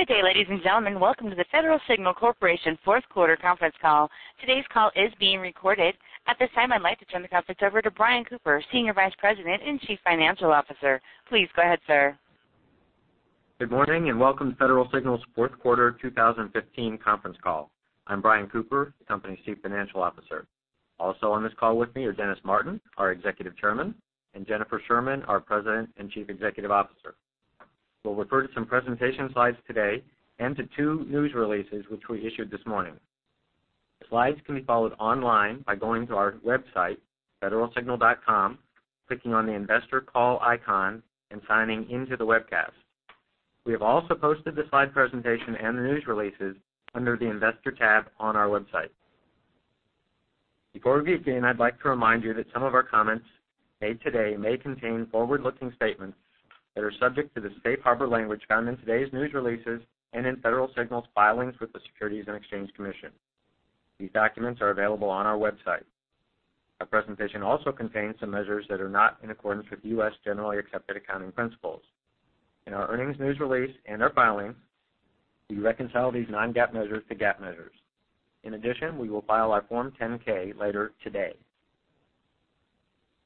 Good day, ladies and gentlemen. Welcome to the Federal Signal Corporation fourth quarter conference call. Today's call is being recorded. At this time, I'd like to turn the conference over to Brian Cooper, Senior Vice President and Chief Financial Officer. Please go ahead, sir. Good morning, and welcome to Federal Signal's fourth quarter 2015 conference call. I'm Brian Cooper, the company's Chief Financial Officer. Also on this call with me are Dennis Martin, our Executive Chairman, and Jennifer Sherman, our President and Chief Executive Officer. We'll refer to some presentation slides today and to two news releases, which we issued this morning. Slides can be followed online by going to our website, federalsignal.com, clicking on the investor call icon, and signing into the webcast. We have also posted the slide presentation and the news releases under the investor tab on our website. Before we begin, I'd like to remind you that some of our comments made today may contain forward-looking statements that are subject to the safe harbor language found in today's news releases and in Federal Signal's filings with the Securities and Exchange Commission. These documents are available on our website. Our presentation also contains some measures that are not in accordance with U.S. generally accepted accounting principles. In our earnings news release and our filings, we reconcile these non-GAAP measures to GAAP measures. In addition, we will file our Form 10-K later today.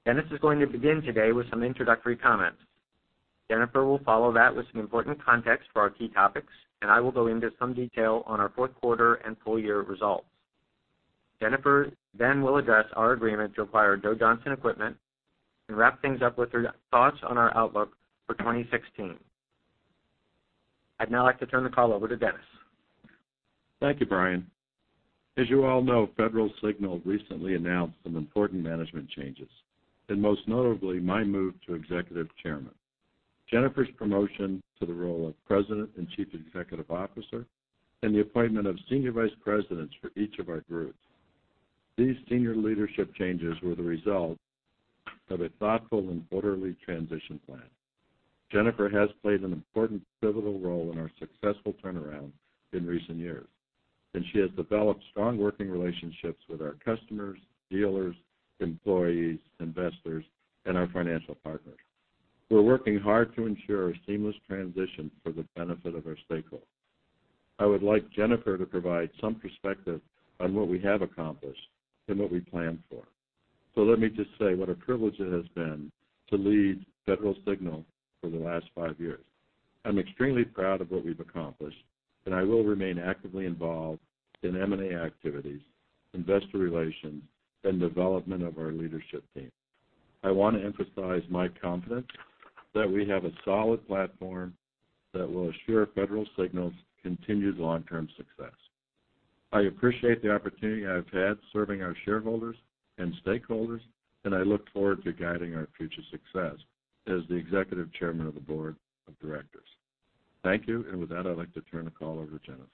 Dennis is going to begin today with some introductory comments. Jennifer will follow that with some important context for our key topics, and I will go into some detail on our fourth quarter and full-year results. Jennifer then will address our agreement to acquire Joe Johnson Equipment and wrap things up with her thoughts on our outlook for 2016. I'd now like to turn the call over to Dennis. Thank you, Brian. As you all know, Federal Signal recently announced some important management changes, and most notably, my move to Executive Chairman. Jennifer's promotion to the role of President and Chief Executive Officer and the appointment of senior vice presidents for each of our groups. These senior leadership changes were the result of a thoughtful and orderly transition plan. Jennifer has played an important pivotal role in our successful turnaround in recent years, and she has developed strong working relationships with our customers, dealers, employees, investors, and our financial partners. We're working hard to ensure a seamless transition for the benefit of our stakeholders. I would like Jennifer to provide some perspective on what we have accomplished and what we plan for. Let me just say what a privilege it has been to lead Federal Signal for the last five years. I'm extremely proud of what we've accomplished, and I will remain actively involved in M&A activities, investor relations, and development of our leadership team. I want to emphasize my confidence that we have a solid platform that will assure Federal Signal's continued long-term success. I appreciate the opportunity I've had serving our shareholders and stakeholders, and I look forward to guiding our future success as the Executive Chairman of the Board of Directors. Thank you. With that, I'd like to turn the call over to Jennifer.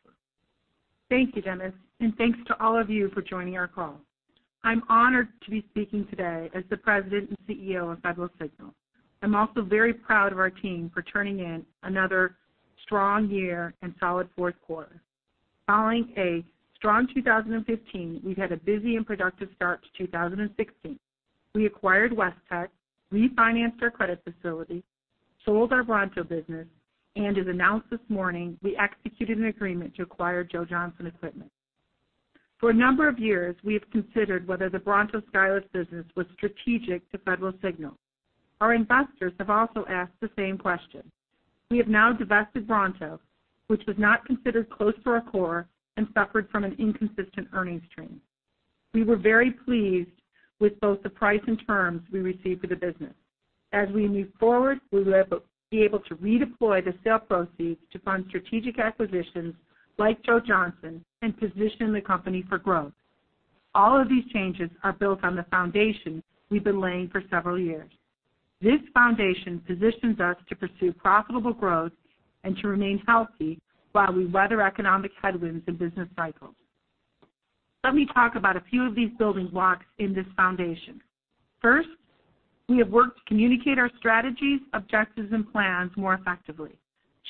Thank you, Dennis, and thanks to all of you for joining our call. I'm honored to be speaking today as the President and CEO of Federal Signal. I'm also very proud of our team for turning in another strong year and solid fourth quarter. Following a strong 2015, we've had a busy and productive start to 2016. We acquired Westech, refinanced our credit facility, sold our Bronto business, and as announced this morning, we executed an agreement to acquire Joe Johnson Equipment. For a number of years, we have considered whether the Bronto Skylift business was strategic to Federal Signal. Our investors have also asked the same question. We have now divested Bronto, which was not considered close to our core and suffered from an inconsistent earnings stream. We were very pleased with both the price and terms we received for the business. As we move forward, we will be able to redeploy the sale proceeds to fund strategic acquisitions like Joe Johnson and position the company for growth. All of these changes are built on the foundation we've been laying for several years. This foundation positions us to pursue profitable growth and to remain healthy while we weather economic headwinds and business cycles. Let me talk about a few of these building blocks in this foundation. First, we have worked to communicate our strategies, objectives, and plans more effectively.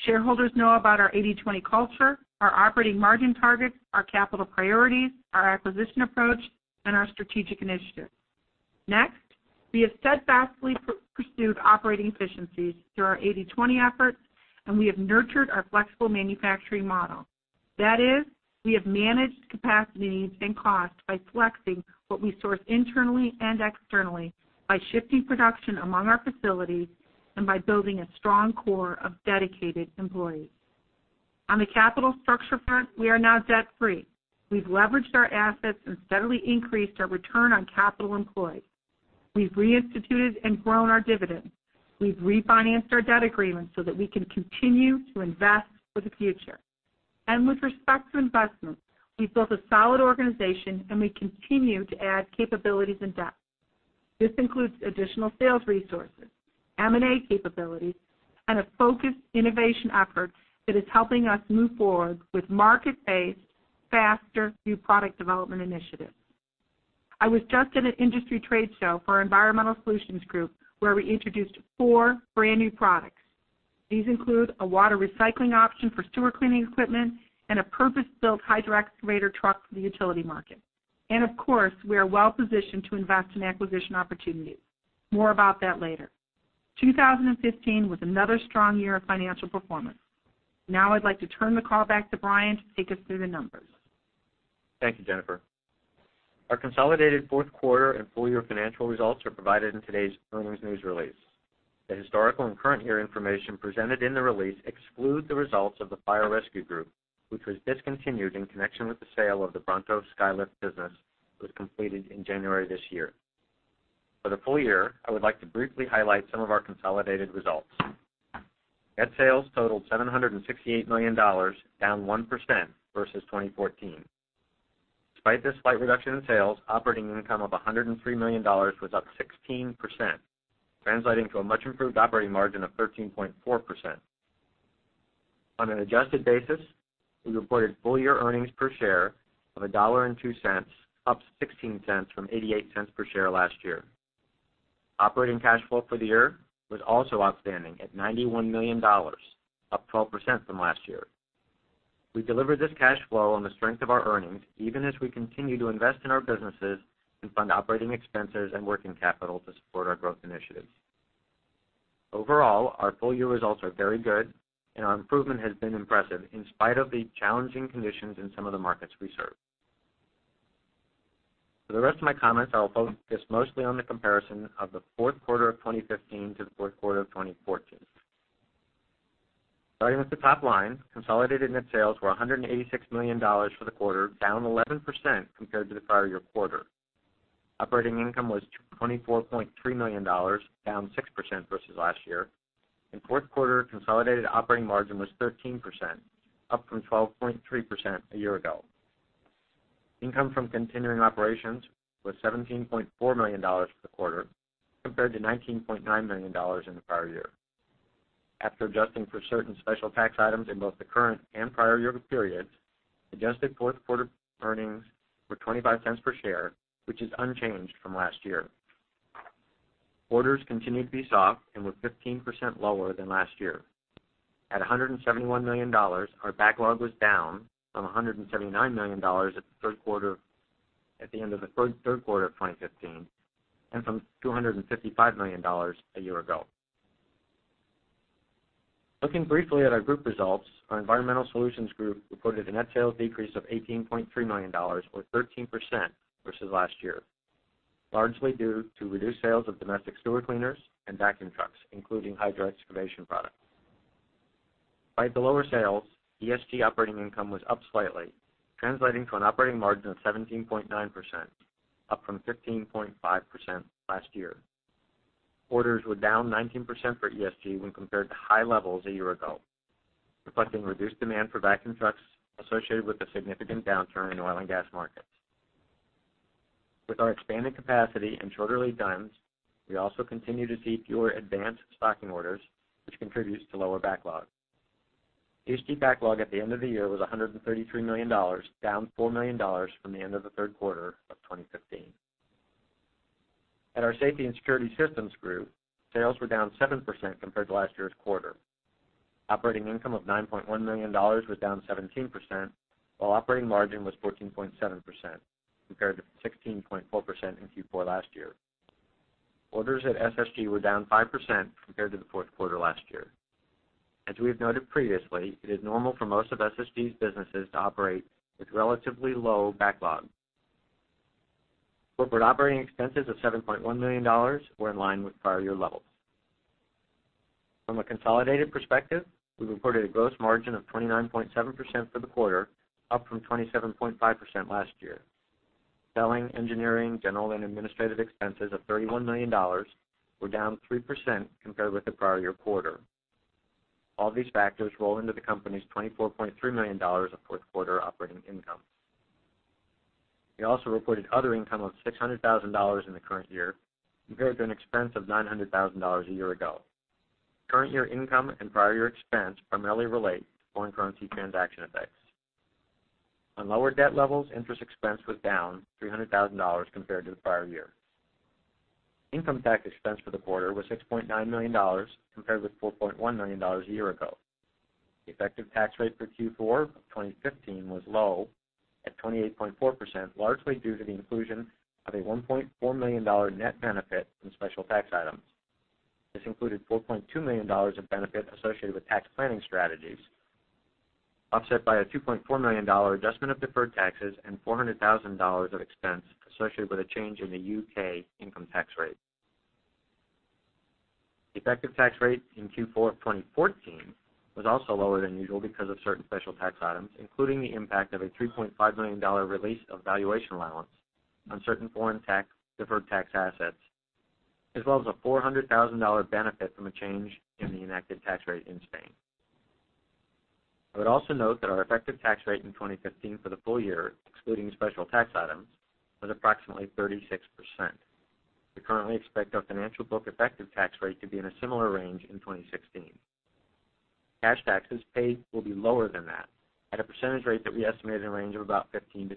Shareholders know about our 80/20 culture, our operating margin targets, our capital priorities, our acquisition approach, and our strategic initiatives. Next, we have steadfastly pursued operating efficiencies through our 80/20 efforts, and we have nurtured our flexible manufacturing model. That is, we have managed capacity needs and costs by flexing what we source internally and externally by shifting production among our facilities and by building a strong core of dedicated employees. On the capital structure front, we are now debt-free. We've leveraged our assets and steadily increased our return on capital employed. We've reinstituted and grown our dividends. We've refinanced our debt agreement so that we can continue to invest for the future. With respect to investment, we've built a solid organization, and we continue to add capabilities and depth. This includes additional sales resources, M&A capabilities, and a focused innovation effort that is helping us move forward with market-based, faster new product development initiatives. I was just at an industry trade show for our Environmental Solutions Group, where we introduced four brand-new products. These include a water recycling option for sewer cleaning equipment and a purpose-built hydro excavator truck for the utility market. Of course, we are well-positioned to invest in acquisition opportunities. More about that later. 2015 was another strong year of financial performance. Now I'd like to turn the call back to Brian to take us through the numbers. Thank you, Jennifer. Our consolidated fourth quarter and full year financial results are provided in today's earnings news release. The historical and current year information presented in the release exclude the results of the Fire Rescue Group, which was discontinued in connection with the sale of the Bronto Skylift business that was completed in January this year. For the full year, I would like to briefly highlight some of our consolidated results. Net sales totaled $768 million, down 1% versus 2014. Despite this slight reduction in sales, operating income of $103 million was up 16%, translating to a much improved operating margin of 13.4%. On an adjusted basis, we reported full year earnings per share of $1.02, up $0.16 from $0.88 per share last year. Operating cash flow for the year was also outstanding at $91 million, up 12% from last year. We delivered this cash flow on the strength of our earnings, even as we continue to invest in our businesses and fund operating expenses and working capital to support our growth initiatives. Overall, our full year results are very good, and our improvement has been impressive in spite of the challenging conditions in some of the markets we serve. For the rest of my comments, I'll focus mostly on the comparison of the fourth quarter of 2015 to the fourth quarter of 2014. Starting with the top line, consolidated net sales were $186 million for the quarter, down 11% compared to the prior year quarter. Operating income was $24.3 million, down 6% versus last year, and fourth quarter consolidated operating margin was 13%, up from 12.3% a year ago. Income from continuing operations was $17.4 million for the quarter, compared to $19.9 million in the prior year. After adjusting for certain special tax items in both the current and prior year periods, adjusted fourth quarter earnings were $0.25 per share, which is unchanged from last year. Orders continued to be soft and were 15% lower than last year. At $171 million, our backlog was down from $179 million at the end of the third quarter of 2015, and from $255 million a year ago. Looking briefly at our group results, our Environmental Solutions Group reported a net sales decrease of $18.3 million or 13% versus last year, largely due to reduced sales of domestic sewer cleaners and vacuum trucks, including hydro-excavation products. Despite the lower sales, ESG operating income was up slightly, translating to an operating margin of 17.9%, up from 15.5% last year. Orders were down 19% for ESG when compared to high levels a year ago, reflecting reduced demand for vacuum trucks associated with the significant downturn in oil and gas markets. With our expanded capacity and shorter lead times, we also continue to see fewer advanced stocking orders, which contributes to lower backlog. ESG backlog at the end of the year was $133 million, down $4 million from the end of the third quarter of 2015. At our Safety and Security Systems Group, sales were down 7% compared to last year's quarter. Operating income of $9.1 million was down 17%, while operating margin was 14.7% compared to 16.4% in Q4 last year. Orders at SSG were down 5% compared to the fourth quarter last year. As we have noted previously, it is normal for most of SSG's businesses to operate with relatively low backlog. Corporate operating expenses of $7.1 million were in line with prior year levels. From a consolidated perspective, we reported a gross margin of 29.7% for the quarter, up from 27.5% last year. Selling, engineering, general and administrative expenses of $31 million were down 3% compared with the prior year quarter. All these factors roll into the company's $24.3 million of fourth quarter operating income. We also reported other income of $600,000 in the current year, compared to an expense of $900,000 a year ago. Current year income and prior year expense primarily relate to foreign currency transaction effects. On lower debt levels, interest expense was down $300,000 compared to the prior year. Income tax expense for the quarter was $6.9 million, compared with $4.1 million a year ago. The effective tax rate for Q4 of 2015 was low at 28.4%, largely due to the inclusion of a $1.4 million net benefit in special tax items. This included $4.2 million of benefit associated with tax planning strategies, offset by a $2.4 million adjustment of deferred taxes and $400,000 of expense associated with a change in the U.K. income tax rate. The effective tax rate in Q4 of 2014 was also lower than usual because of certain special tax items, including the impact of a $3.5 million release of valuation allowance on certain foreign deferred tax assets, as well as a $400,000 benefit from a change in the enacted tax rate in Spain. I would also note that our effective tax rate in 2015 for the full year, excluding special tax items, was approximately 36%. We currently expect our financial book effective tax rate to be in a similar range in 2016. Cash taxes paid will be lower than that, at a percentage rate that we estimate in the range of about 15%-20%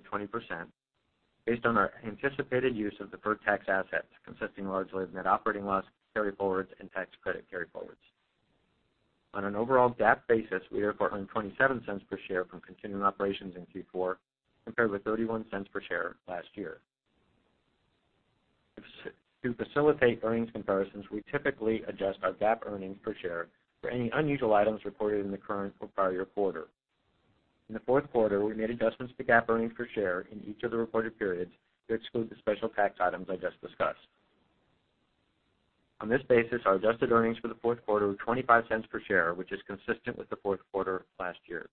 based on our anticipated use of deferred tax assets consisting largely of net operating loss carryforwards and tax credit carryforwards. On an overall GAAP basis, we reported earning $0.27 per share from continuing operations in Q4, compared with $0.31 per share last year. To facilitate earnings comparisons, we typically adjust our GAAP earnings per share for any unusual items reported in the current or prior year quarter. In the fourth quarter, we made adjustments to GAAP earnings per share in each of the reported periods to exclude the special tax items I just discussed. On this basis, our adjusted earnings for the fourth quarter were $0.25 per share, which is consistent with the fourth quarter of last year.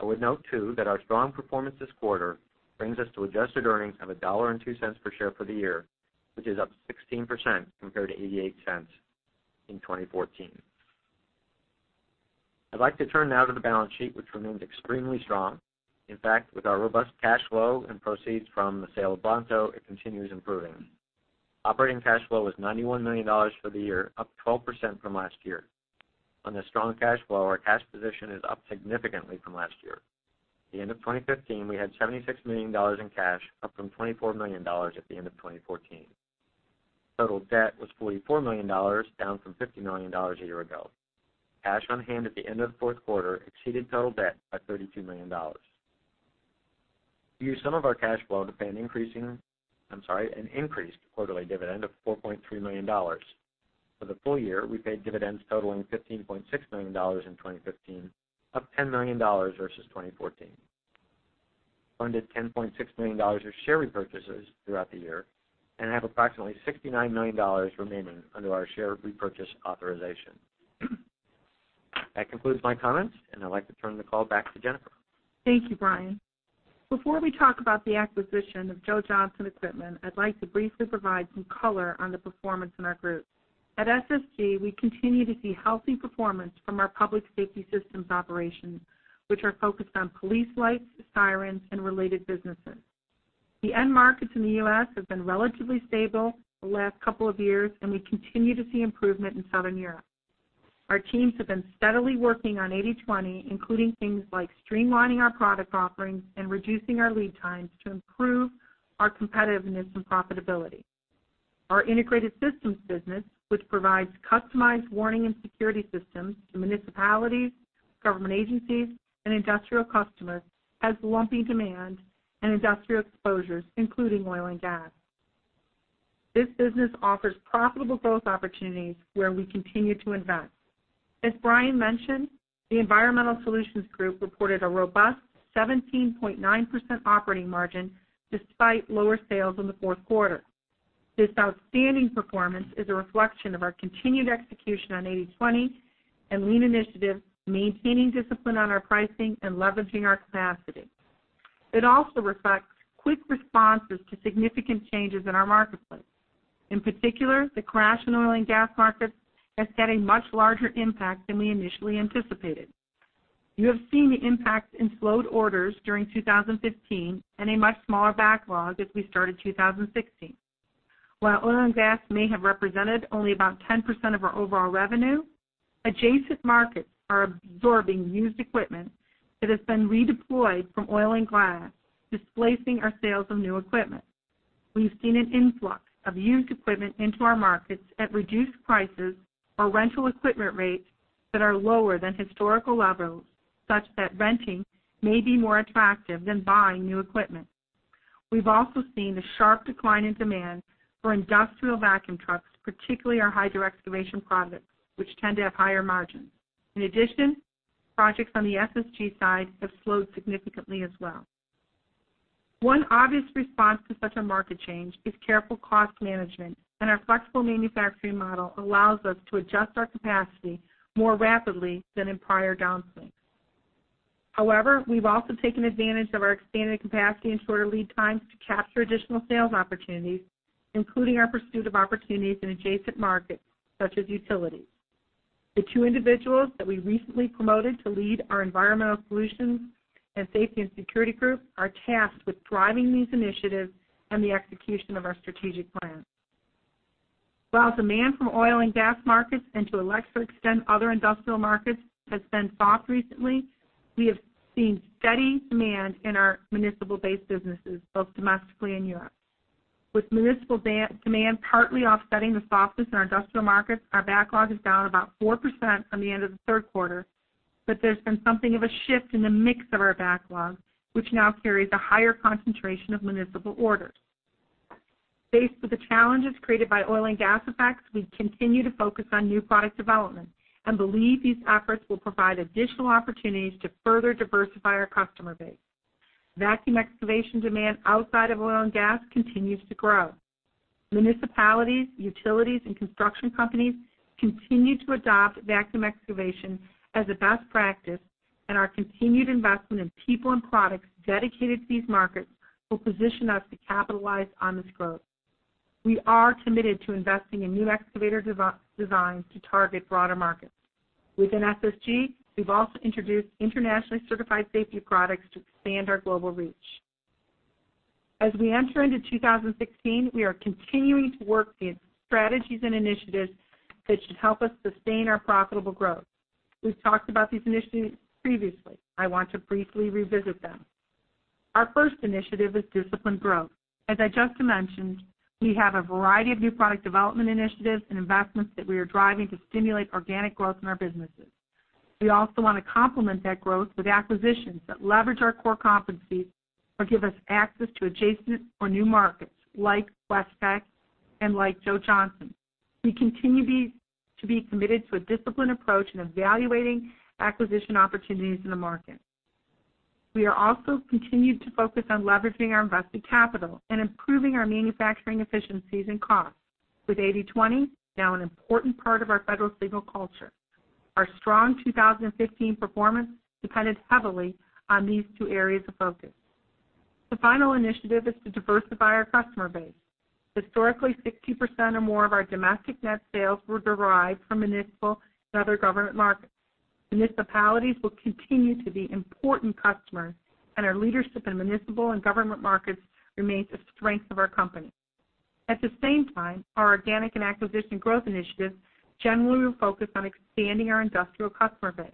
I would note too, that our strong performance this quarter brings us to adjusted earnings of $1.02 per share for the year, which is up 16% compared to $0.88 in 2014. I'd like to turn now to the balance sheet, which remains extremely strong. In fact, with our robust cash flow and proceeds from the sale of Bronto, it continues improving. Operating cash flow was $91 million for the year, up 12% from last year. On this strong cash flow, our cash position is up significantly from last year. At the end of 2015, we had $76 million in cash, up from $24 million at the end of 2014. Total debt was $44 million, down from $50 million a year ago. Cash on hand at the end of the fourth quarter exceeded total debt by $32 million. We used some of our cash flow to pay an increased quarterly dividend of $4.3 million. For the full year, we paid dividends totaling $15.6 million in 2015, up $10 million versus 2014. Funded $10.6 million of share repurchases throughout the year, and have approximately $69 million remaining under our share repurchase authorization. That concludes my comments, and I'd like to turn the call back to Jennifer. Thank you, Brian. Before we talk about the acquisition of Joe Johnson Equipment, I'd like to briefly provide some color on the performance in our group. At SSG, we continue to see healthy performance from our public safety systems operations, which are focused on police lights, sirens, and related businesses. The end markets in the U.S. have been relatively stable the last couple of years, and we continue to see improvement in Southern Europe. Our teams have been steadily working on 80/20, including things like streamlining our product offerings and reducing our lead times to improve our competitiveness and profitability. Our integrated systems business, which provides customized warning and security systems to municipalities, government agencies, and industrial customers, has lumpy demand and industrial exposures, including oil and gas. This business offers profitable growth opportunities where we continue to invest. As Brian mentioned, the Environmental Solutions Group reported a robust 17.9% operating margin despite lower sales in the fourth quarter. This outstanding performance is a reflection of our continued execution on 80/20 and lean initiatives, maintaining discipline on our pricing, and leveraging our capacity. It also reflects quick responses to significant changes in our marketplace. In particular, the crash in oil and gas markets has had a much larger impact than we initially anticipated. You have seen the impact in slowed orders during 2015 and a much smaller backlog as we started 2016. While oil and gas may have represented only about 10% of our overall revenue, adjacent markets are absorbing used equipment that has been redeployed from oil and gas, displacing our sales of new equipment. We've seen an influx of used equipment into our markets at reduced prices or rental equipment rates that are lower than historical levels, such that renting may be more attractive than buying new equipment. We've also seen a sharp decline in demand for industrial vacuum trucks, particularly our hydroexcavation products, which tend to have higher margins. In addition, projects on the SSG side have slowed significantly as well. One obvious response to such a market change is careful cost management, and our flexible manufacturing model allows us to adjust our capacity more rapidly than in prior downswings. However, we've also taken advantage of our expanded capacity and shorter lead times to capture additional sales opportunities, including our pursuit of opportunities in adjacent markets, such as utilities. The two individuals that we recently promoted to lead our Environmental Solutions Group and Safety and Security Group are tasked with driving these initiatives and the execution of our strategic plan. While demand from oil and gas markets, and to a lesser extent, other industrial markets, has been soft recently, we have seen steady demand in our municipal-based businesses, both domestically and Europe. With municipal demand partly offsetting the softness in our industrial markets, our backlog is down about 4% from the end of the third quarter. But there's been something of a shift in the mix of our backlog, which now carries a higher concentration of municipal orders. Faced with the challenges created by oil and gas effects, we continue to focus on new product development and believe these efforts will provide additional opportunities to further diversify our customer base. Vacuum excavation demand outside of oil and gas continues to grow. Municipalities, utilities, and construction companies continue to adopt vacuum excavation as a best practice, and our continued investment in people and products dedicated to these markets will position us to capitalize on this growth. We are committed to investing in new excavator designs to target broader markets. Within SSG, we've also introduced internationally certified safety products to expand our global reach. As we enter into 2016, we are continuing to work these strategies and initiatives that should help us sustain our profitable growth. We've talked about these initiatives previously. I want to briefly revisit them. Our first initiative is disciplined growth. As I just mentioned, we have a variety of new product development initiatives and investments that we are driving to stimulate organic growth in our businesses. We also want to complement that growth with acquisitions that leverage our core competencies or give us access to adjacent or new markets like Westech and like Joe Johnson. We continue to be committed to a disciplined approach in evaluating acquisition opportunities in the market. We are also continued to focus on leveraging our invested capital and improving our manufacturing efficiencies and costs, with 80/20 now an important part of our Federal Signal culture. Our strong 2015 performance depended heavily on these two areas of focus. The final initiative is to diversify our customer base. Historically, 60% or more of our domestic net sales were derived from municipal and other government markets. Municipalities will continue to be important customers, and our leadership in municipal and government markets remains a strength of our company. At the same time, our organic and acquisition growth initiatives generally will focus on expanding our industrial customer base.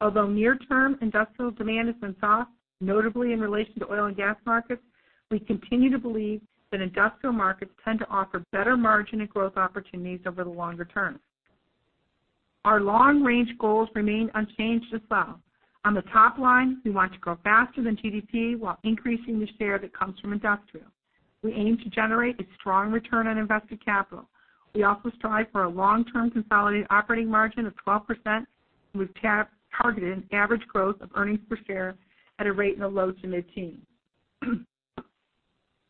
Although near-term industrial demand has been soft, notably in relation to oil and gas markets, we continue to believe that industrial markets tend to offer better margin and growth opportunities over the longer term. Our long-range goals remain unchanged as well. On the top line, we want to grow faster than GDP while increasing the share that comes from industrial. We aim to generate a strong return on invested capital. We also strive for a long-term consolidated operating margin of 12%, and we've targeted an average growth of earnings per share at a rate in the low to mid-teens.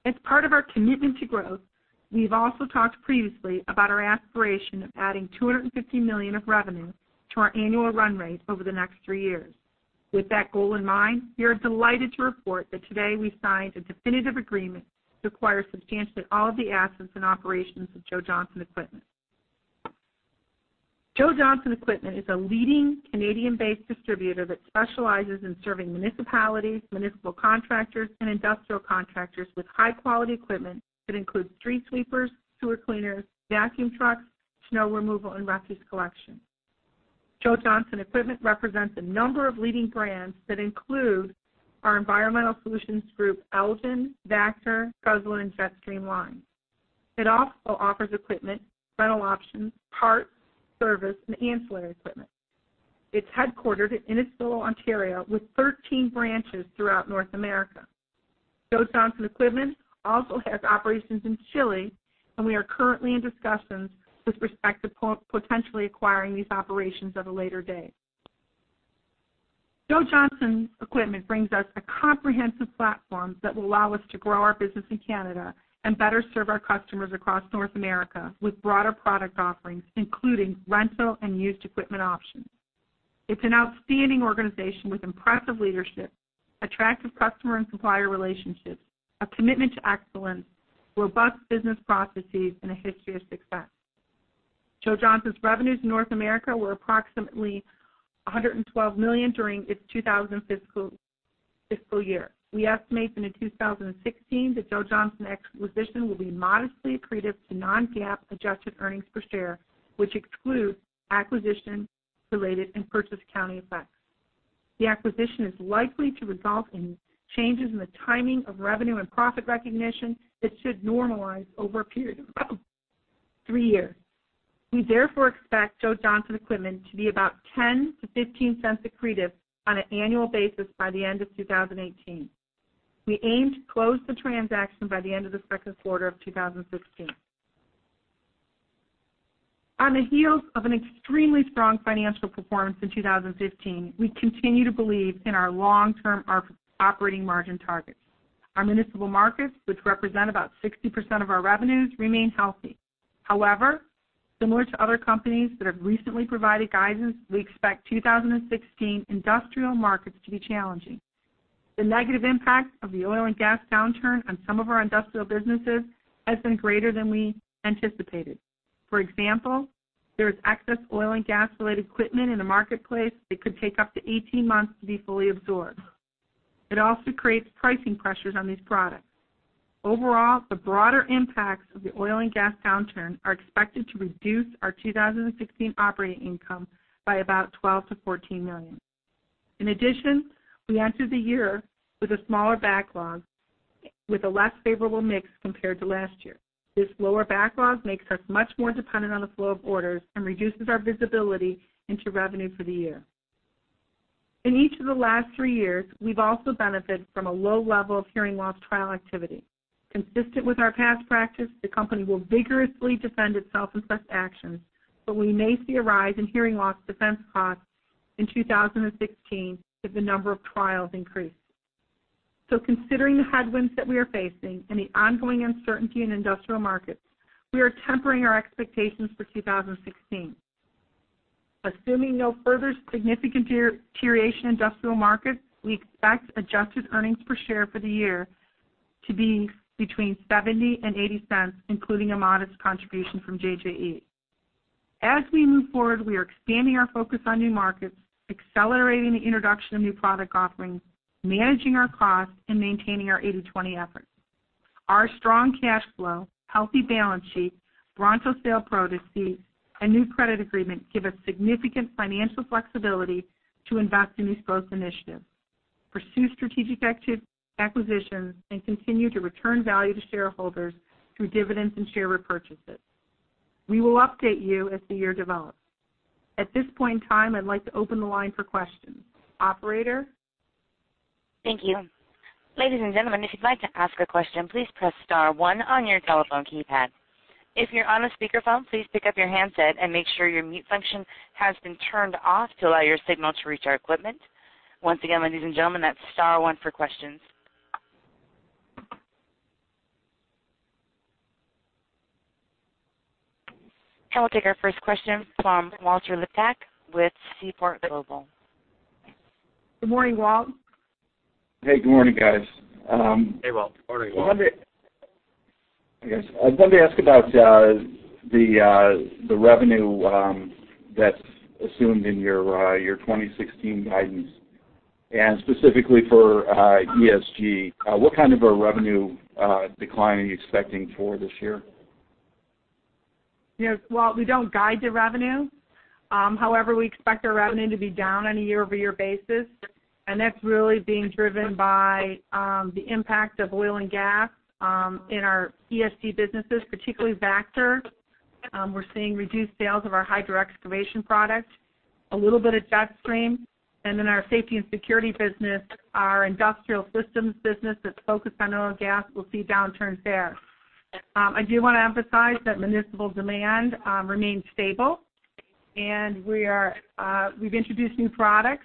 As part of our commitment to growth, we've also talked previously about our aspiration of adding $250 million of revenue to our annual run rate over the next three years. With that goal in mind, we are delighted to report that today we signed a definitive agreement to acquire substantially all of the assets and operations of Joe Johnson Equipment. Joe Johnson Equipment is a leading Canadian-based distributor that specializes in serving municipalities, municipal contractors, and industrial contractors with high-quality equipment that includes street sweepers, sewer cleaners, vacuum trucks, snow removal, and refuse collection. Joe Johnson Equipment represents a number of leading brands that include our Environmental Solutions Group, Elgin, Vactor, Guzzler, and Jetstream lines. It also offers equipment, rental options, parts, service, and ancillary equipment. It's headquartered in Innisfil, Ontario, with 13 branches throughout North America. Joe Johnson Equipment also has operations in Chile, and we are currently in discussions with respect to potentially acquiring these operations at a later date. Joe Johnson Equipment brings us a comprehensive platform that will allow us to grow our business in Canada and better serve our customers across North America with broader product offerings, including rental and used equipment options. It's an outstanding organization with impressive leadership, attractive customer and supplier relationships, a commitment to excellence, robust business processes, and a history of success. Joe Johnson's revenues in North America were approximately $112 million during its 2015 fiscal year. We estimate that in 2016, the Joe Johnson acquisition will be modestly accretive to non-GAAP adjusted earnings per share, which excludes acquisition-related and purchase accounting effects. The acquisition is likely to result in changes in the timing of revenue and profit recognition that should normalize over a period of three years. We therefore expect Joe Johnson Equipment to be about $0.10-$0.15 accretive on an annual basis by the end of 2018. We aim to close the transaction by the end of the second quarter of 2016. On the heels of an extremely strong financial performance in 2015, we continue to believe in our long-term operating margin targets. Our municipal markets, which represent about 60% of our revenues, remain healthy. However, similar to other companies that have recently provided guidance, we expect 2016 industrial markets to be challenging. The negative impact of the oil and gas downturn on some of our industrial businesses has been greater than we anticipated. For example, there is excess oil and gas-related equipment in the marketplace that could take up to 18 months to be fully absorbed. It also creates pricing pressures on these products. Overall, the broader impacts of the oil and gas downturn are expected to reduce our 2016 operating income by about $12 million-$14 million. In addition, we entered the year with a smaller backlog with a less favorable mix compared to last year. This lower backlog makes us much more dependent on the flow of orders and reduces our visibility into revenue for the year. In each of the last three years, we've also benefited from a low level of hearing loss trial activity. Consistent with our past practice, the company will vigorously defend itself in such actions, but we may see a rise in hearing loss defense costs in 2016 if the number of trials increase. Considering the headwinds that we are facing and the ongoing uncertainty in industrial markets, we are tempering our expectations for 2016. Assuming no further significant deterioration in industrial markets, we expect adjusted earnings per share for the year to be between $0.70 and $0.80, including a modest contribution from JJE. As we move forward, we are expanding our focus on new markets, accelerating the introduction of new product offerings, managing our costs, and maintaining our 80/20 efforts. Our strong cash flow, healthy balance sheet, Bronto sale proceeds, and new credit agreement give us significant financial flexibility to invest in these growth initiatives, pursue strategic acquisitions, and continue to return value to shareholders through dividends and share repurchases. We will update you as the year develops. At this point in time, I'd like to open the line for questions. Operator? Thank you. Ladies and gentlemen, if you'd like to ask a question, please press star 1 on your telephone keypad. If you're on a speakerphone, please pick up your handset and make sure your mute function has been turned off to allow your signal to reach our equipment. Once again, ladies and gentlemen, that's star 1 for questions. I'll take our first question from Walter Liptak with Seaport Global Securities. Good morning, Walt. Hey, good morning, guys. Hey, Walt. Good morning, Walt. I wanted to ask about the revenue that's assumed in your 2016 guidance, specifically for ESG. What kind of a revenue decline are you expecting for this year? Yes. Walt, we don't guide to revenue. However, we expect our revenue to be down on a year-over-year basis, that's really being driven by the impact of oil and gas in our ESG businesses, particularly Vactor. We're seeing reduced sales of our hydroexcavation product, a little bit at Jetstream, our safety and security business, our industrial systems business that's focused on oil and gas will see downturns there. I do want to emphasize that municipal demand remains stable, we've introduced new products.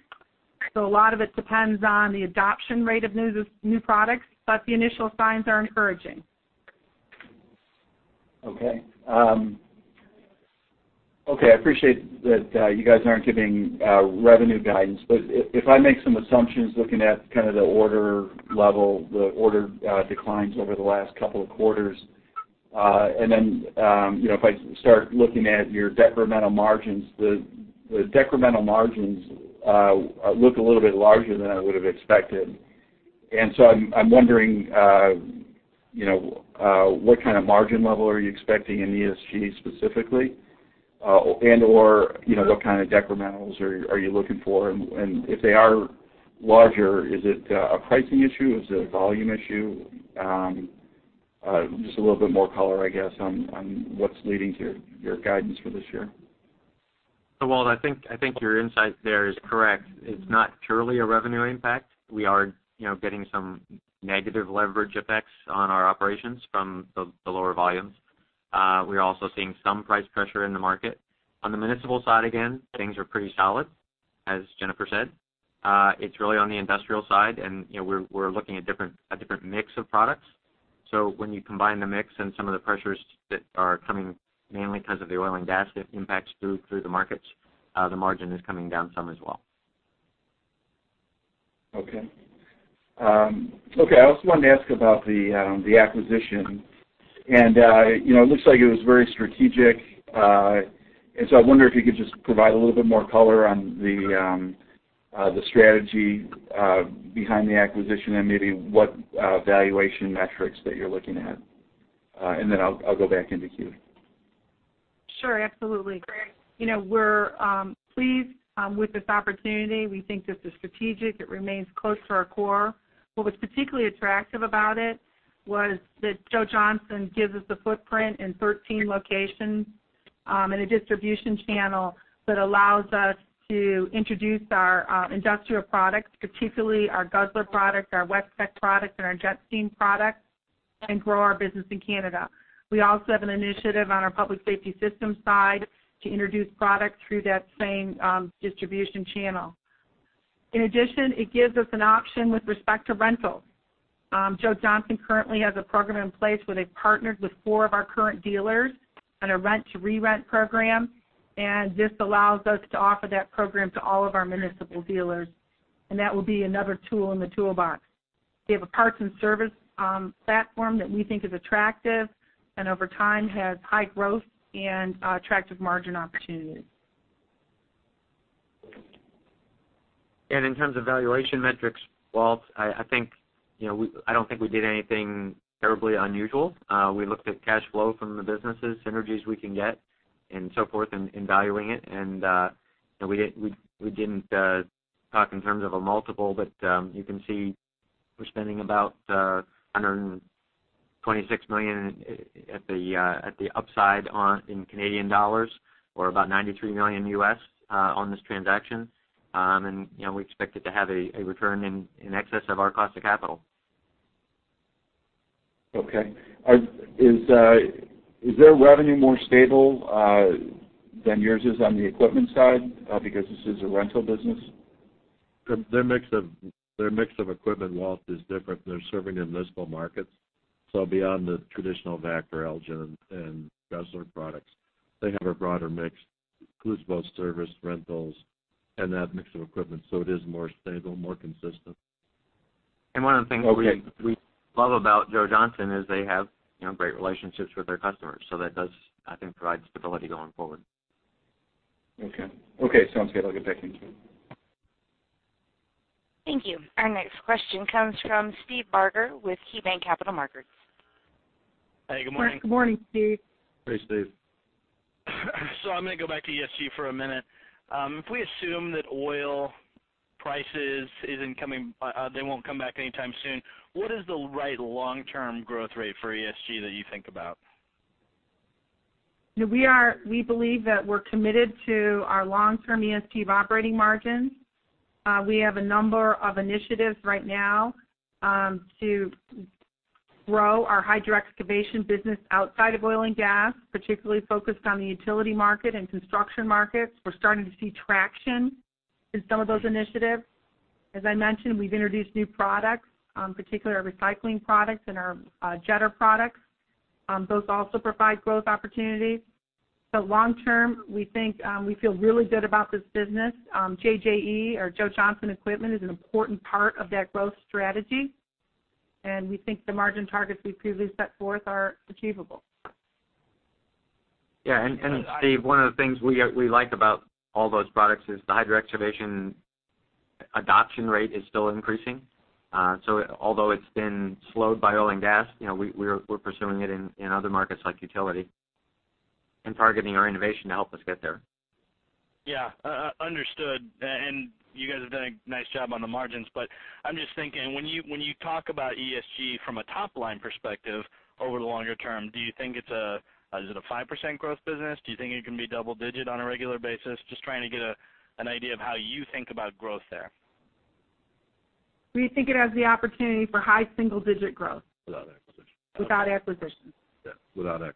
A lot of it depends on the adoption rate of new products, the initial signs are encouraging. Okay. I appreciate that you guys aren't giving revenue guidance. If I make some assumptions, looking at kind of the order level, the order declines over the last couple of quarters, then if I start looking at your decremental margins, the decremental margins look a little bit larger than I would've expected. I'm wondering, what kind of margin level are you expecting in ESG specifically, and/or what kind of decrementals are you looking for? If they are larger, is it a pricing issue? Is it a volume issue? Just a little bit more color, I guess, on what's leading to your guidance for this year. Walt, I think your insight there is correct. It's not purely a revenue impact. We are getting some negative leverage effects on our operations from the lower volumes. We're also seeing some price pressure in the market. On the municipal side, again, things are pretty solid, as Jennifer said. It's really on the industrial side, and we're looking at a different mix of products. When you combine the mix and some of the pressures that are coming mainly because of the oil and gas that impacts through the markets, the margin is coming down some as well. Okay. I also wanted to ask about the acquisition. It looks like it was very strategic. I wonder if you could just provide a little bit more color on the strategy behind the acquisition and maybe what valuation metrics that you're looking at. I'll go back into queue. Sure. Absolutely. We're pleased with this opportunity. We think this is strategic. It remains close to our core. What was particularly attractive about it was that Joe Johnson gives us a footprint in 13 locations and a distribution channel that allows us to introduce our industrial products, particularly our Guzzler products, our WetVac products, and our Jetstream products, and grow our business in Canada. We also have an initiative on our public safety systems side to introduce products through that same distribution channel. In addition, it gives us an option with respect to rental. Joe Johnson currently has a program in place where they've partnered with four of our current dealers on a rent-to-re-rent program, and this allows us to offer that program to all of our municipal dealers, and that will be another tool in the toolbox. They have a parts and service platform that we think is attractive and over time has high growth and attractive margin opportunities. In terms of valuation metrics, Walt, I don't think we did anything terribly unusual. We looked at cash flow from the businesses, synergies we can get, and so forth in valuing it. We didn't talk in terms of a multiple, but you can see we're spending about 126 million at the upside or about $93 million on this transaction. We expect it to have a return in excess of our cost of capital. Okay. Is their revenue more stable than yours is on the equipment side because this is a rental business? Their mix of equipment, Walt, is different. They're serving in municipal markets. Beyond the traditional Vactor, Elgin, and Guzzler products, they have a broader mix, includes both service, rentals, and that mix of equipment, so it is more stable, more consistent. Okay. One of the things we love about Joe Johnson is they have great relationships with their customers. That does, I think, provide stability going forward. Okay. Sounds good. I will get back in queue. Thank you. Our next question comes from Steve Barger with KeyBanc Capital Markets. Hey, good morning. Good morning, Steve. Hey, Steve. I'm going to go back to ESG for a minute. If we assume that oil prices won't come back anytime soon, what is the right long-term growth rate for ESG that you think about? We believe that we're committed to our long-term ESG of operating margins. We have a number of initiatives right now to grow our hydro-excavation business outside of oil and gas, particularly focused on the utility market and construction markets. We're starting to see traction in some of those initiatives. As I mentioned, we've introduced new products, particularly our recycling products and our jetter products. Those also provide growth opportunities. Long term, we feel really good about this business. JJE or Joe Johnson Equipment is an important part of that growth strategy, and we think the margin targets we previously set forth are achievable. Steve, one of the things we like about all those products is the hydro-excavation adoption rate is still increasing. Although it's been slowed by oil and gas, we're pursuing it in other markets like utility and targeting our innovation to help us get there. Understood. You guys have done a nice job on the margins, I'm just thinking, when you talk about ESG from a top-line perspective over the longer term, is it a 5% growth business? Do you think it can be double digit on a regular basis? Just trying to get an idea of how you think about growth there. We think it has the opportunity for high single-digit growth. Without acquisitions. Without acquisitions. Yeah. Without acquisitions.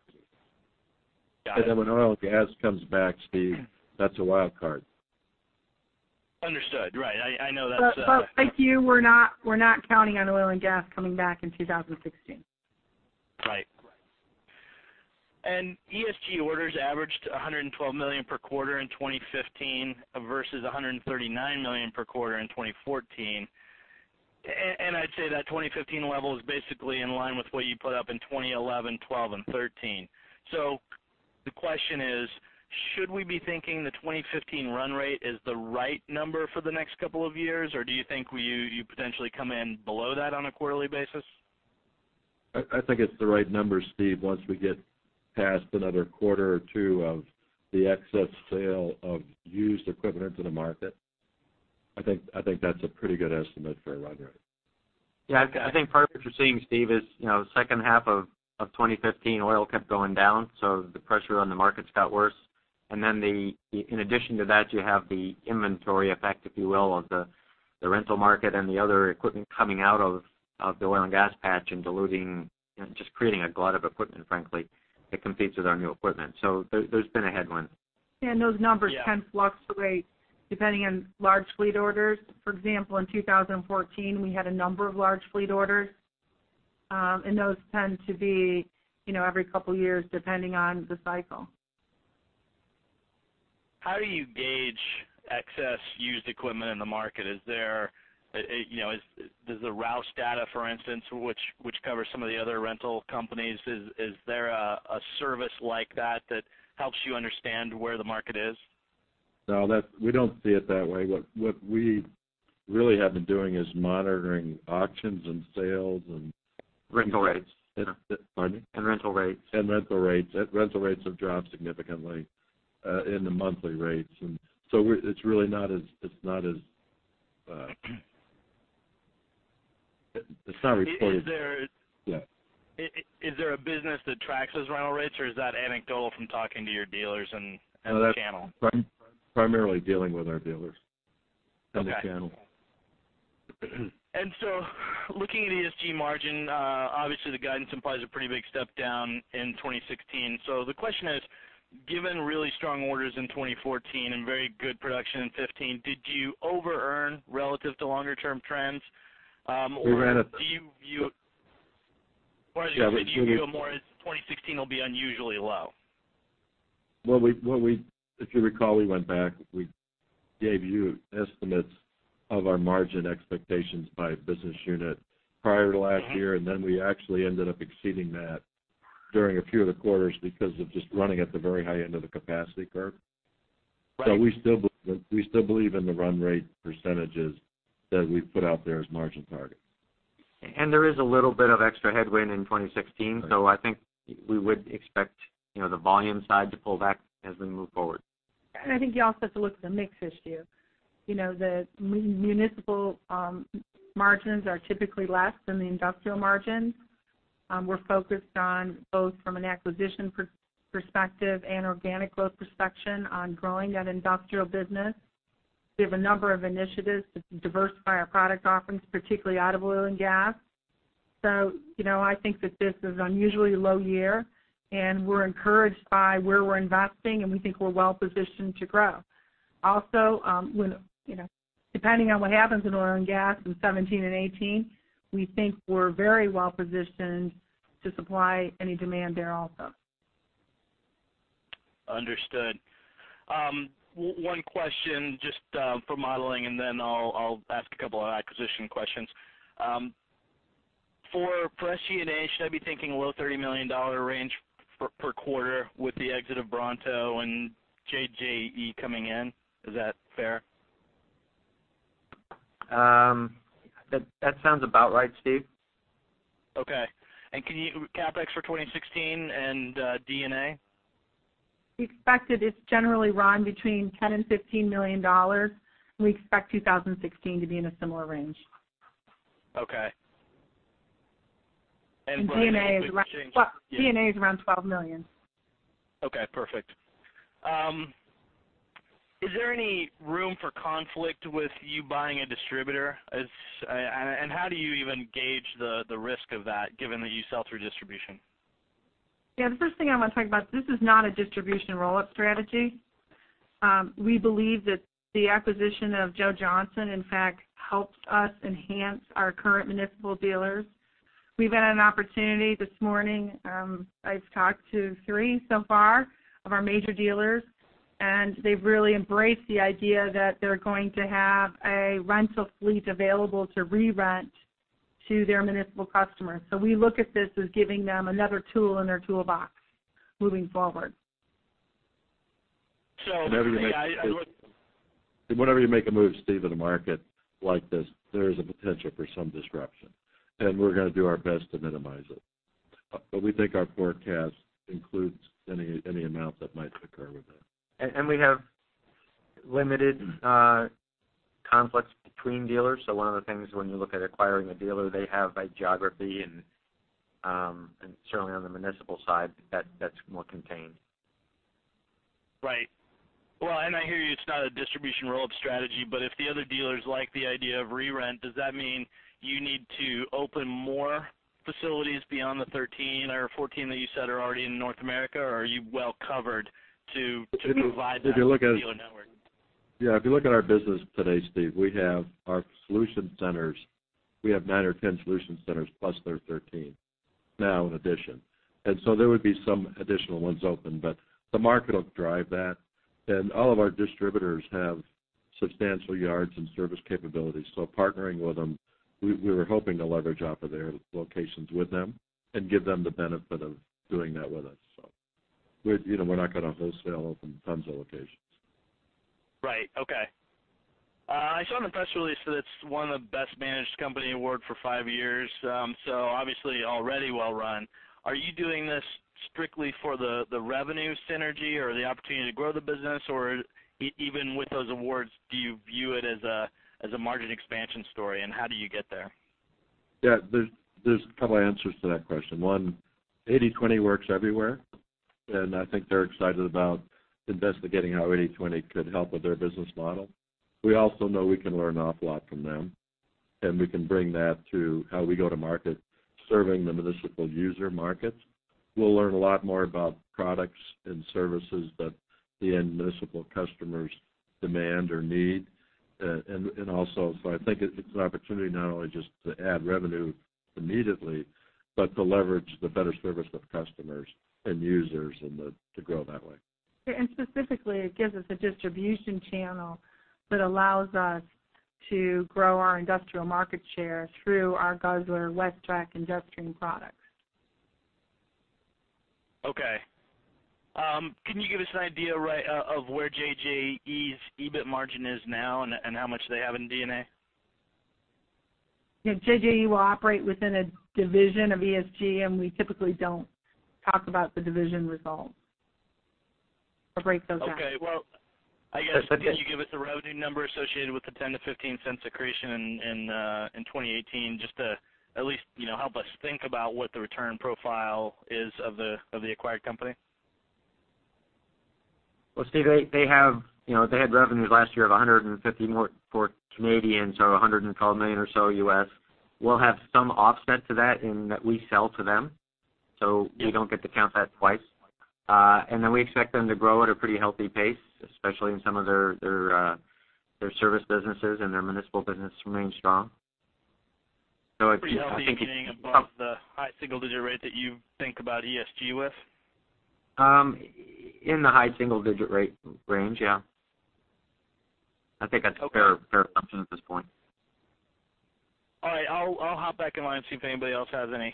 Got it. Then when oil and gas comes back, Steve, that's a wild card. Understood. Right. I know that's. Thank you, we're not counting on oil and gas coming back in 2016. Right. ESG orders averaged $112 million per quarter in 2015 versus $139 million per quarter in 2014. I'd say that 2015 level is basically in line with what you put up in 2011, '12, and '13. The question is, should we be thinking the 2015 run rate is the right number for the next couple of years, or do you think you potentially come in below that on a quarterly basis? I think it's the right number, Steve, once we get past another quarter or two of the excess sale of used equipment into the market. I think that's a pretty good estimate for a run rate. Yeah, I think part of what you're seeing, Steve, is the second half of 2015, oil kept going down, the pressure on the markets got worse, in addition to that, you have the inventory effect, if you will, of the rental market and the other equipment coming out of the oil and gas patch and diluting, just creating a glut of equipment, frankly, that competes with our new equipment. There's been a headwind. Those numbers can fluctuate depending on large fleet orders. For example, in 2014, we had a number of large fleet orders, and those tend to be every couple of years, depending on the cycle. How do you gauge excess used equipment in the market? Does the Rouse data, for instance, which covers some of the other rental companies, is there a service like that that helps you understand where the market is? No, we don't see it that way. What we really have been doing is monitoring auctions and sales. Rental rates. Pardon? Rental rates. Rental rates. Rental rates have dropped significantly in the monthly rates. It's not reported. Yeah. Is there a business that tracks those rental rates, or is that anecdotal from talking to your dealers and the channel? Primarily dealing with our dealers. Okay The channel. Looking at ESG margin, obviously the guidance implies a pretty big step down in 2016. The question is, given really strong orders in 2014 and very good production in 2015, did you over-earn relative to longer-term trends? Or do you view more as 2016 will be unusually low? If you recall, we went back, we gave you estimates of our margin expectations by business unit prior to last year, we actually ended up exceeding that during a few of the quarters because of just running at the very high end of the capacity curve. Right. We still believe in the run rate percentages that we've put out there as margin targets. There is a little bit of extra headwind in 2016. I think we would expect the volume side to pull back as we move forward. I think you also have to look at the mix issue. The municipal margins are typically less than the industrial margins. We're focused on both from an acquisition perspective and organic growth perspective on growing that industrial business. We have a number of initiatives to diversify our product offerings, particularly out of oil and gas. I think that this is an unusually low year, and we're encouraged by where we're investing, and we think we're well-positioned to grow. Also, depending on what happens in oil and gas in 2017 and 2018, we think we're very well-positioned to supply any demand there also. Understood. One question just for modeling, then I'll ask a couple of acquisition questions. For depreciation, should I be thinking low $30 million range per quarter with the exit of Bronto and JJE coming in? Is that fair? That sounds about right, Steve. Okay. Can you, CapEx for 2016 and D&A? Expected it's generally run between $10 million and $15 million. We expect 2016 to be in a similar range. Okay. D&A is around $12 million. Okay, perfect. Is there any room for conflict with you buying a distributor? How do you even gauge the risk of that given that you sell through distribution? Yeah. The first thing I want to talk about, this is not a distribution roll-up strategy. We believe that the acquisition of Joe Johnson, in fact, helped us enhance our current municipal dealers. We've had an opportunity this morning, I've talked to three so far, of our major dealers, and they've really embraced the idea that they're going to have a rental fleet available to re-rent to their municipal customers. We look at this as giving them another tool in their toolbox moving forward. Yeah, I would- Whenever you make a move, Steve, in a market like this, there is a potential for some disruption, and we're going to do our best to minimize it. We think our forecast includes any amount that might occur with it. We have limited conflicts between dealers. One of the things when you look at acquiring a dealer, they have by geography and certainly on the municipal side, that's more contained. Right. Well, and I hear you, it's not a distribution roll-up strategy, but if the other dealers like the idea of re-rent, does that mean you need to open more facilities beyond the 13 or 14 that you said are already in North America? Or are you well-covered to provide that dealer network? Yeah, if you look at our business today, Steve, we have our solution centers. We have nine or 10 solution centers plus their 13 now in addition. There would be some additional ones open, but the market will drive that, and all of our distributors have substantial yards and service capabilities. Partnering with them, we were hoping to leverage off of their locations with them and give them the benefit of doing that with us. We're not going to wholesale open tons of locations. Right. Okay. I saw in the press release that it's won the Best Managed Company award for five years. Obviously already well run. Are you doing this strictly for the revenue synergy or the opportunity to grow the business? Even with those awards, do you view it as a margin expansion story, and how do you get there? There's a couple of answers to that question. One, 80/20 works everywhere, and I think they're excited about investigating how 80/20 could help with their business model. We also know we can learn an awful lot from them, and we can bring that to how we go to market, serving the municipal user markets. We'll learn a lot more about products and services that the end municipal customers demand or need. I think it's an opportunity not only just to add revenue immediately, but to leverage the better service to the customers and users and to grow that way. Specifically, it gives us a distribution channel that allows us to grow our industrial market share through our Guzzler Westech industrial products. Okay. Can you give us an idea, right, of where JJE's EBIT margin is now and how much they have in D&A? Yeah. JJE will operate within a division of ESG, and we typically don't talk about the division results or break those out. Okay. Well, I guess. But- can you give us the revenue number associated with the $0.10-$0.15 accretion in 2018, just to at least help us think about what the return profile is of the acquired company? Well, Steve, they had revenues last year of 150 million, so $112 million or so US. We'll have some offset to that in that we sell to them. We don't get to count that twice. We expect them to grow at a pretty healthy pace, especially in some of their service businesses and their municipal business remains strong. Pretty healthy meaning above the high single-digit rate that you think about ESG with? In the high single-digit rate range, yeah. I think that's a fair assumption at this point. All right. I'll hop back in line and see if anybody else has any.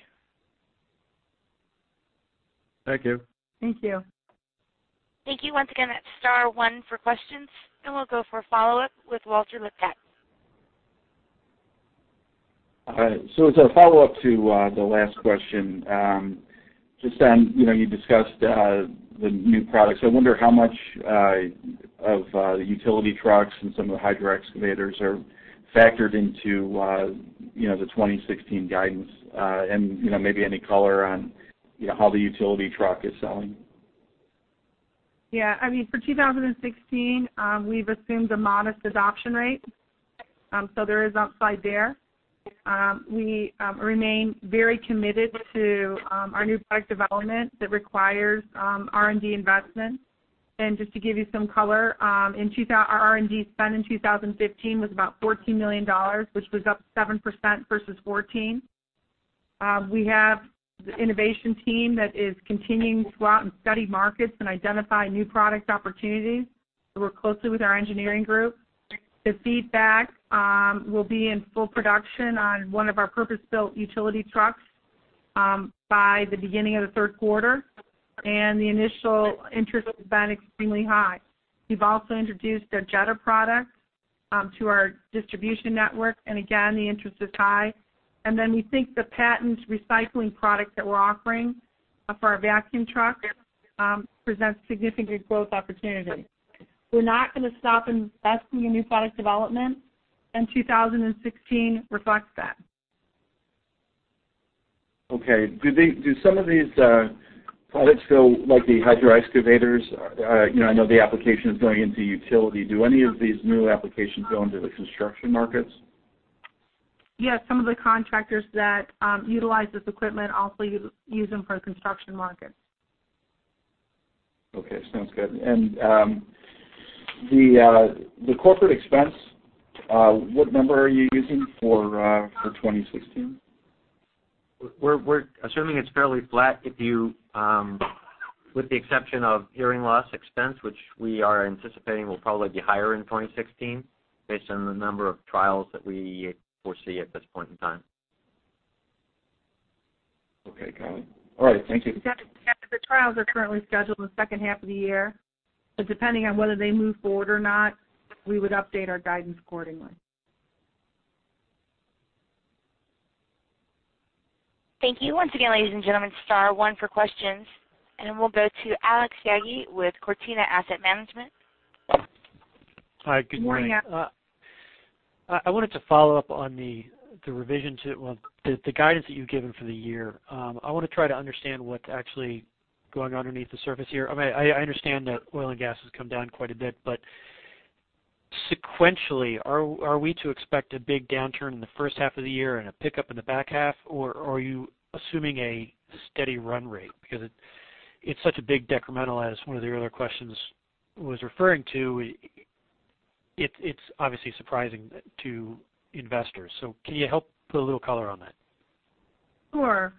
Thank you. Thank you. Thank you once again. That's star one for questions, and we'll go for a follow-up with Walter Liptak. All right. As a follow-up to the last question, just on, you discussed the new products. I wonder how much of the utility trucks and some of the hydro excavators are factored into the 2016 guidance, and maybe any color on how the utility truck is selling. Yeah. For 2016, we've assumed a modest adoption rate, there is upside there. We remain very committed to our new product development that requires R&D investment. Just to give you some color, our R&D spend in 2015 was about $14 million, which was up 7% versus 2014. We have the innovation team that is continuing to go out and study markets and identify new product opportunities. They work closely with our engineering group. The feedback will be in full production on one of our purpose-built utility trucks by the beginning of the third quarter, the initial interest has been extremely high. We've also introduced a jetter product to our distribution network, again, the interest is high. We think the patent recycling product that we're offering for our vacuum truck presents significant growth opportunity. We're not going to stop investing in new product development, 2016 reflects that. Okay. Do some of these products go, like the hydro excavators, I know the application is going into utility. Do any of these new applications go into the construction markets? Yes, some of the contractors that utilize this equipment also use them for construction markets. Okay. Sounds good. The corporate expense, what number are you using for 2016? We're assuming it's fairly flat with the exception of hearing loss expense, which we are anticipating will probably be higher in 2016 based on the number of trials that we foresee at this point in time. Okay, got it. All right. Thank you. Yeah. The trials are currently scheduled in the second half of the year, but depending on whether they move forward or not, we would update our guidance accordingly. Thank you once again, ladies and gentlemen, star one for questions. We'll go to Alex [Saggy] with Cortina Asset Management. Hi, good morning. Good morning. I wanted to follow up on the revision to, well, the guidance that you've given for the year. I want to try to understand what's actually going underneath the surface here. I understand that oil and gas has come down quite a bit, sequentially, are we to expect a big downturn in the first half of the year and a pickup in the back half? Or are you assuming a steady run rate? Because it's such a big decremental, as one of your other questions was referring to, it's obviously surprising to investors. Can you help put a little color on that? Sure.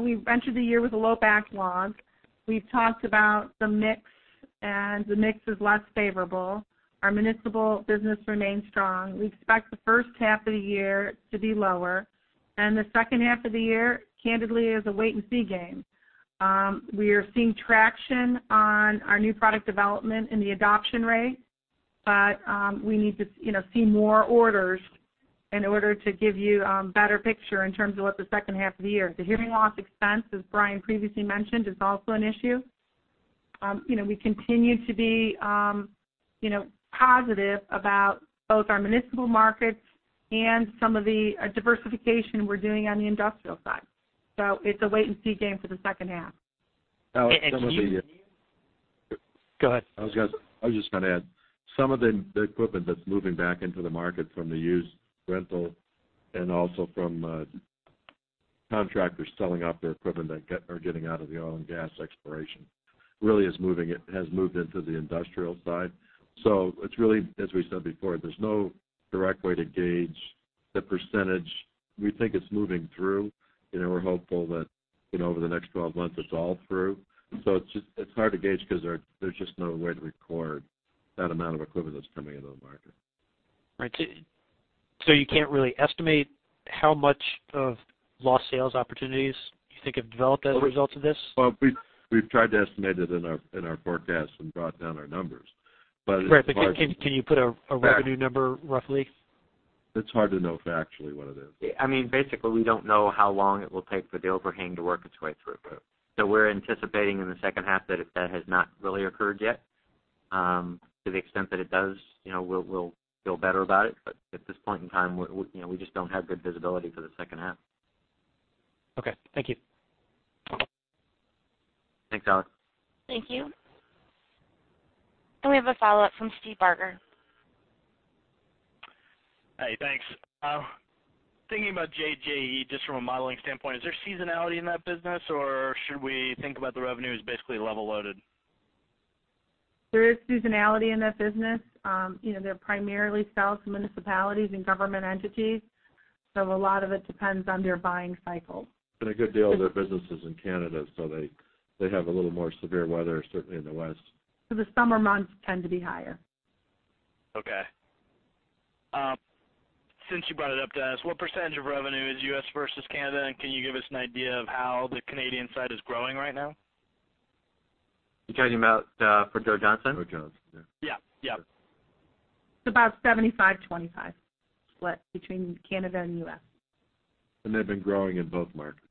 We've entered the year with a low backlog. We've talked about the mix, the mix is less favorable. Our municipal business remains strong. We expect the first half of the year to be lower, the second half of the year, candidly, is a wait-and-see game. We are seeing traction on our new product development in the adoption rate, we need to see more orders in order to give you a better picture in terms of what the second half of the year. The hearing loss expense, as Brian previously mentioned, is also an issue. We continue to be positive about both our municipal markets and some of the diversification we're doing on the industrial side. It's a wait-and-see game for the second half. Some of the- Go ahead. I was just going to add, some of the equipment that's moving back into the market from the used rental and also from contractors selling off their equipment that are getting out of the oil and gas exploration, really has moved into the industrial side. It's really, as we said before, there's no direct way to gauge the percentage. We think it's moving through. We're hopeful that over the next 12 months it's all through. It's hard to gauge because there's just no way to record that amount of equipment that's coming into the market. Right. You can't really estimate how much of lost sales opportunities you think have developed as a result of this? Well, we've tried to estimate it in our forecast and brought down our numbers, but it's hard. Right, can you put a revenue number roughly? It's hard to know factually what it is. I mean, basically, we don't know how long it will take for the overhang to work its way through. We're anticipating in the second half that if that has not really occurred yet, to the extent that it does, we'll feel better about it. At this point in time, we just don't have good visibility for the second half. Okay. Thank you. Thanks, Alex. Thank you. We have a follow-up from Steve Barger. Hey, thanks. Thinking about JJE, just from a modeling standpoint, is there seasonality in that business, or should we think about the revenue as basically level loaded? There is seasonality in that business. They're primarily sell to municipalities and government entities. A lot of it depends on their buying cycles. A good deal of their business is in Canada, they have a little more severe weather, certainly in the West. The summer months tend to be higher. Okay. Since you brought it up, Dennis, what percentage of revenue is U.S. versus Canada, and can you give us an idea of how the Canadian side is growing right now? You're talking about for Joe Johnson? For Johnson, yeah. Yeah. It's about 75/25 split between Canada and U.S. They've been growing in both markets.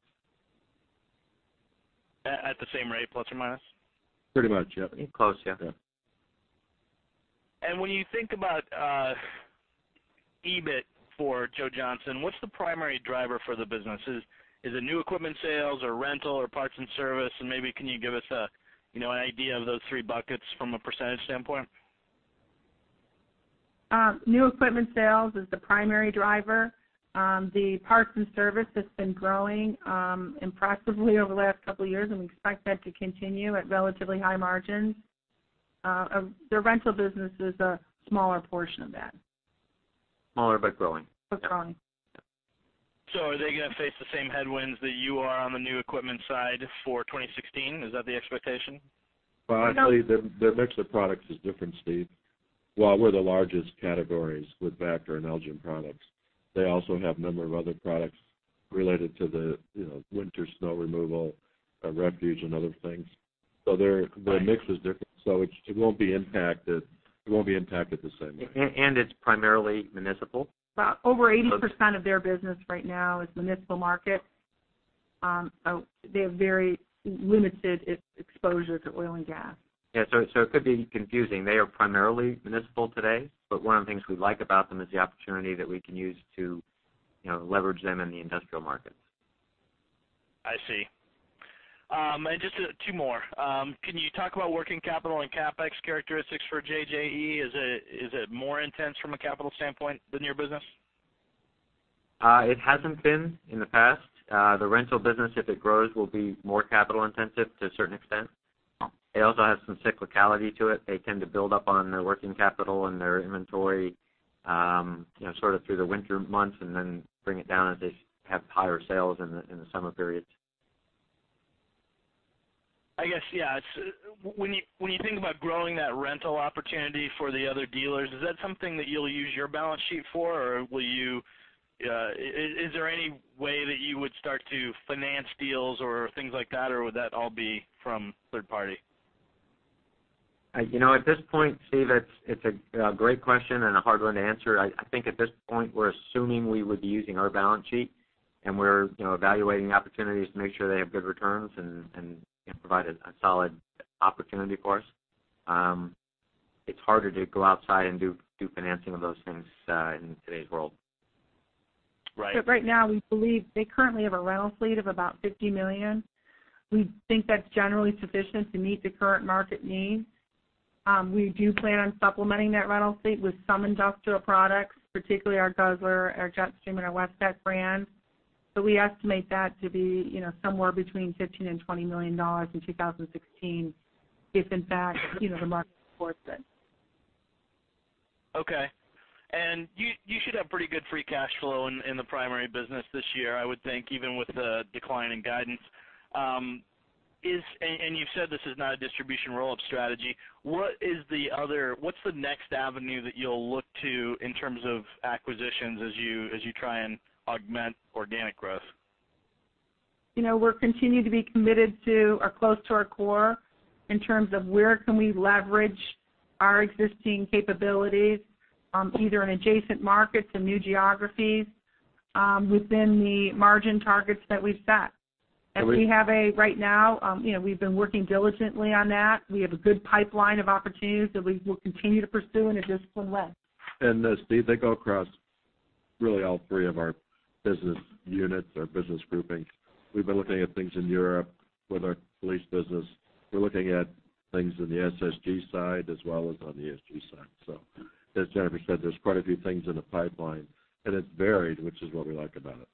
At the same rate, plus or minus? Pretty much, yeah. Close, yeah. When you think about EBIT for Joe Johnson, what's the primary driver for the business? Is it new equipment sales or rental or parts and service? Maybe can you give us an idea of those three buckets from a percentage standpoint? New equipment sales is the primary driver. The parts and service has been growing impressively over the last couple of years, and we expect that to continue at relatively high margins. Their rental business is a smaller portion of that. Smaller, but growing. Growing. Are they going to face the same headwinds that you are on the new equipment side for 2016? Is that the expectation? Well, actually, their mix of products is different, Steve. While we're the largest categories with Vactor and Elgin products, they also have a number of other products related to the winter snow removal, refuse, and other things. Their mix is different. It won't be impacted the same way. It's primarily municipal? Over 80% of their business right now is municipal market. They have very limited exposure to oil and gas. Yeah. It could be confusing. They are primarily municipal today, but one of the things we like about them is the opportunity that we can use to leverage them in the industrial markets. I see. Just two more. Can you talk about working capital and CapEx characteristics for JJE? Is it more intense from a capital standpoint than your business? It hasn't been in the past. The rental business, if it grows, will be more capital-intensive to a certain extent. Okay. It also has some cyclicality to it. They tend to build up on their working capital and their inventory, sort of through the winter months, and then bring it down as they have higher sales in the summer periods. I guess, yeah. When you think about growing that rental opportunity for the other dealers, is that something that you'll use your balance sheet for? Or is there any way that you would start to finance deals or things like that, or would that all be from third party? At this point, Steve, it's a great question and a hard one to answer. I think at this point, we're assuming we would be using our balance sheet, and we're evaluating opportunities to make sure they have good returns and provide a solid opportunity for us. It's harder to go outside and do financing of those things in today's world. Right. Right now, we believe they currently have a rental fleet of about $50 million. We think that's generally sufficient to meet the current market need. We do plan on supplementing that rental fleet with some industrial products, particularly our Guzzler, our Jetstream, and our Westech brands. We estimate that to be somewhere between $15 million-$20 million in 2016, if in fact, the market supports it. Okay. You should have pretty good free cash flow in the primary business this year, I would think, even with the decline in guidance. You've said this is not a distribution roll-up strategy. What's the next avenue that you'll look to in terms of acquisitions as you try and augment organic growth? We continue to be committed to or close to our core in terms of where can we leverage our existing capabilities, either in adjacent markets or new geographies, within the margin targets that we've set. Right now, we've been working diligently on that. We have a good pipeline of opportunities that we will continue to pursue in a disciplined way. Steve, they go across really all three of our business units or business groupings. We've been looking at things in Europe with our police business. We're looking at things in the SSG side as well as on the ESG side. As Jennifer said, there's quite a few things in the pipeline, and it's varied, which is what we like about it.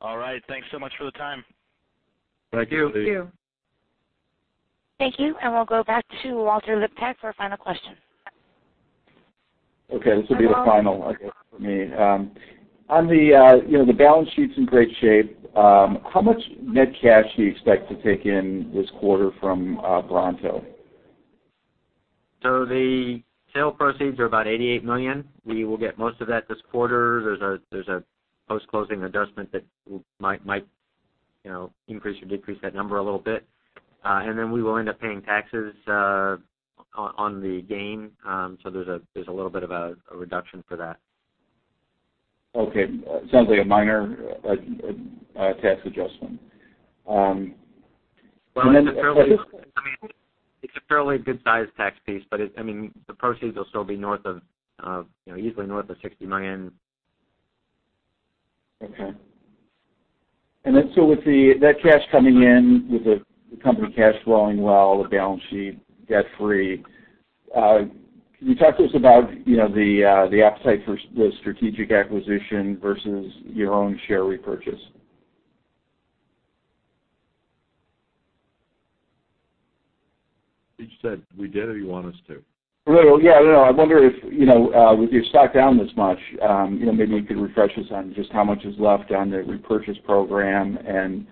All right. Thanks so much for the time. Thank you, Steve. Thank you. Thank you. We'll go back to Walter Liptak for a final question. Okay. This will be the final, I guess, from me. The balance sheet's in great shape. How much net cash do you expect to take in this quarter from Bronto? The sale proceeds are about $88 million. We will get most of that this quarter. There's a post-closing adjustment that might increase or decrease that number a little bit. We will end up paying taxes on the gain. There's a little bit of a reduction for that. Okay. Sounds like a minor tax adjustment. Well, it's a fairly good-sized tax piece, the proceeds will still be easily north of $60 million. Okay. With that cash coming in, with the company cash flowing well, the balance sheet debt-free, can you talk to us about the appetite for the strategic acquisition versus your own share repurchase? You said we did, or you want us to? Well, yeah. I wonder with your stock down this much, maybe you could refresh us on just how much is left on the repurchase program.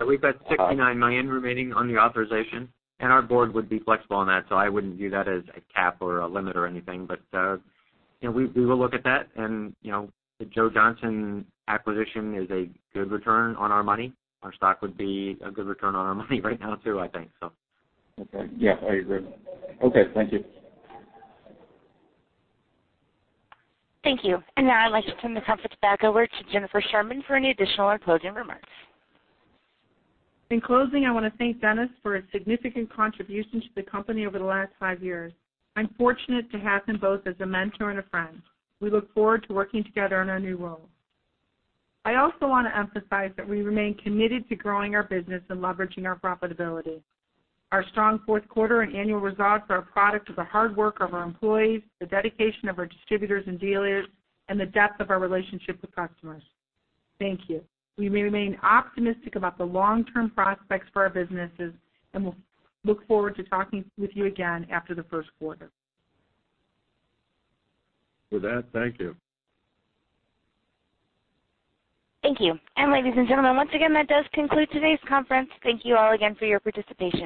We've got $69 million remaining on the authorization. Our Board would be flexible on that. I wouldn't view that as a cap or a limit or anything. We will look at that, and the Joe Johnson acquisition is a good return on our money. Our stock would be a good return on our money right now, too, I think so. Okay. Yeah, I agree. Okay. Thank you. Thank you. Now I'd like to turn the conference back over to Jennifer Sherman for any additional or closing remarks. In closing, I want to thank Dennis for his significant contribution to the company over the last five years. I'm fortunate to have him both as a mentor and a friend. We look forward to working together in our new roles. I also want to emphasize that we remain committed to growing our business and leveraging our profitability. Our strong fourth quarter and annual results are a product of the hard work of our employees, the dedication of our distributors and dealers, and the depth of our relationship with customers. Thank you. We remain optimistic about the long-term prospects for our businesses, and we'll look forward to talking with you again after the first quarter. With that, thank you. Thank you. Ladies and gentlemen, once again, that does conclude today's conference. Thank you all again for your participation.